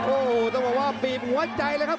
โอ้โหต้องบอกว่าบีบหัวใจเลยครับ